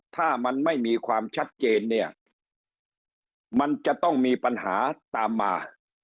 ถ้ามันไม่มีความชัดเจนเนี่ยมันจะต้องมีปัญหาตามมา